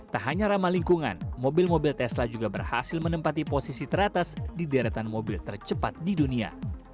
tak hanya ramah lingkungan mobil mobil tesla juga berhasil menempati posisi teratas di deretan mobil tercepat di dunia